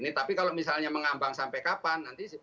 tapi kalau misalnya mengambang sampai kapan nanti